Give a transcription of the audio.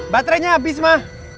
baterainya habis ma